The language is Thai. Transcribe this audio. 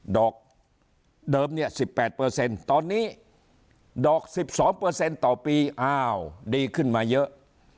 ดอกเดิมเนี่ย๑๘ตอนนี้ดอก๑๒ต่อปีอ้าวดีขึ้นมาเยอะ